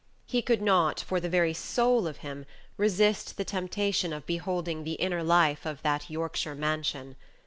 He could not, for the very soul of him, resist the temptation of beholding the inner life of that Yorkshire mansion.